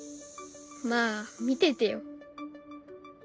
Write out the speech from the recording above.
まあ見ててよ。